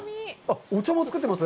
お茶も作ってます？